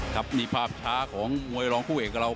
ครับนี่ภาพช้าของมวยรองคู่เอกกับเรา